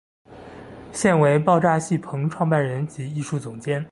现为爆炸戏棚创办人及艺术总监。